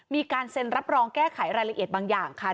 มีการเซ็นรับรองแก้ไขรายละเอียดบางอย่างค่ะ